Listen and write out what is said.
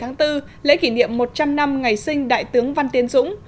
hóa ngày hai mươi bảy tháng bốn lễ kỷ niệm một trăm linh năm ngày sinh đại tướng văn tiến dũng